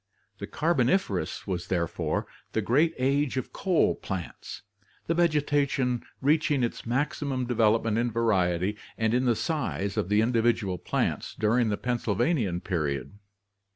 The Carboniferous was therefore the great age of coal plants, the vegetation reaching its maximum development in variety and in the size of the individual plants during the Pennsylvanian period.